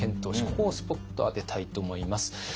ここをスポット当てたいと思います。